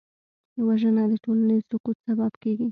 وژنه د ټولنې د سقوط سبب کېږي